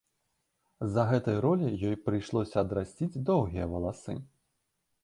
З-за гэтай ролі ёй прыйшлося адрасціць доўгія валасы.